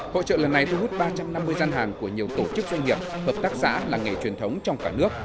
hội trợ lần này thu hút ba trăm năm mươi gian hàng của nhiều tổ chức doanh nghiệp hợp tác xã làng nghề truyền thống trong cả nước